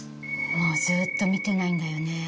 もうずっと見てないんだよね